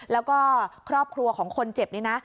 แล้วก็ครอบครัวของคนเจ็บนี่นะ